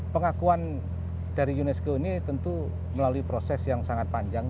pengakuan dari unesco ini tentu melalui proses yang sangat panjang